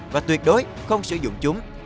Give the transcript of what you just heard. và tuyệt đối không sử dụng chúng